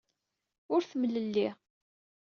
Ur temlelli.